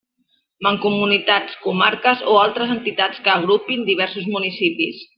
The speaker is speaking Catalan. Mancomunitats, comarques o altres entitats que agrupin diversos municipis.